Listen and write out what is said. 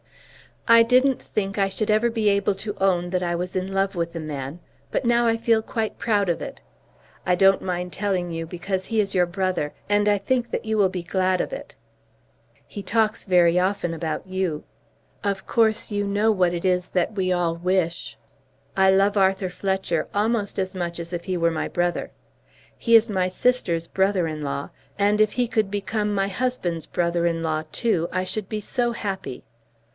I didn't think I should ever be able to own that I was in love with a man; but now I feel quite proud of it. I don't mind telling you because he is your brother, and I think that you will be glad of it. He talks very often about you. Of course you know what it is that we all wish. I love Arthur Fletcher almost as much as if he were my brother. He is my sister's brother in law, and if he could become my husband's brother in law too, I should be so happy.